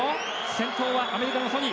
先頭はアメリカのソニ。